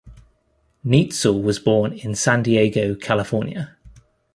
Neitzel was born in San Diego, California.